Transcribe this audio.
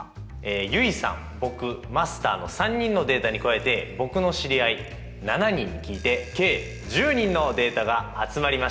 結衣さん僕マスターの３人のデータに加えて僕の知り合い７人に聞いて計１０人のデータが集まりました！